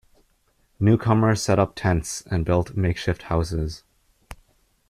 Newcomers set up tents and built makeshift houses.